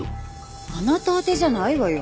あなた宛てじゃないわよ。